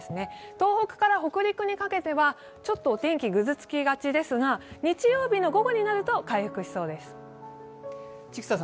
東北から北陸にかけては、ちょっとお天気、ぐずつきがちですが日曜日の午後になると回復しそうです。